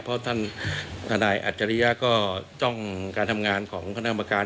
เพราะท่านทนายอัจฉริยะก็จ้องการทำงานของคณะกรรมการ